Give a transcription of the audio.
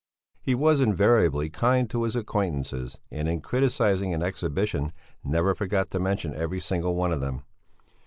He was invariably kind to his acquaintances, and in criticizing an exhibition never forgot to mention every single one of them.